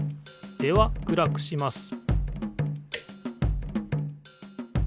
では暗くします